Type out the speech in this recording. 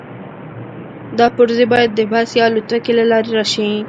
دا پرزې باید د بس یا الوتکې له لارې راشي